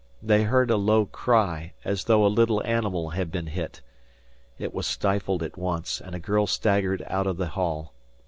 They heard a low cry, as though a little animal had been hit. It was stifled at once, and a girl staggered out of the hall.